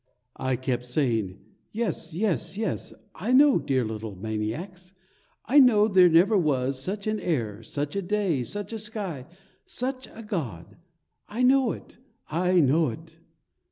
I kept saying, "Yes, yes, yes, I know, dear little maniacs! I know there never was such an air, such a day, such a sky, such a God! I know it! I know it!"